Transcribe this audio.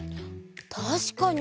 たしかに！